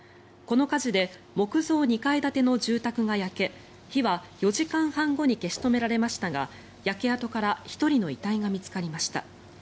この火事で木造２階建ての住宅が焼け火は４時間半後に消し止められましたが焼け跡から１人の遺体が見つかりました。